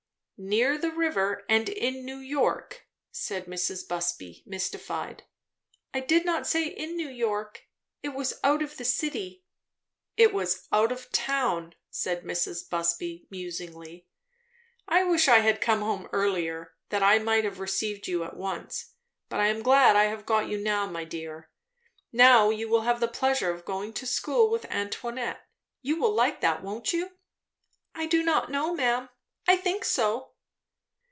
"Near the river, and in New York?" said Mrs. Busby, mystified. "I did not say in New York. It was out of the city." "I was out of town," said Mrs. Busby musingly. "I wish I had come home earlier, that I might have received you at once. But I am glad I have got you now, my dear. Now you will have the pleasure of going to school with Antoinette. You will like that, won't you?" "I do not know, ma'am. I think so."